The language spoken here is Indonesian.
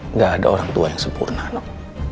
nggak ada orang tua yang sempurna nok